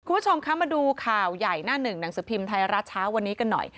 คุณผู้ชมคะมาดูข่าวใหญ่หน้าหนึ่งหนังสือพิมพ์ไทยรัฐเช้าวันนี้กันหน่อย